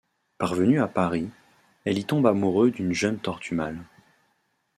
Parvenue à Paris, elle y tombe amoureux d'une jeune tortue mâle.